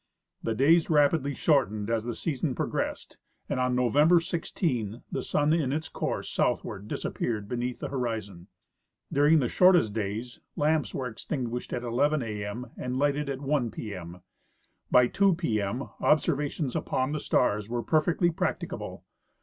The days rapidly shortened as the season progressed, and on November 16 the sun in his course southward disappeared be neath the horizon. During the shortest days lamps were extin guished at 11 a m and lighted at 1 p m. By 2 p m observations upon the stars were perfectly practicable.